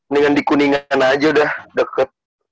dengan dikuningan aja udah deket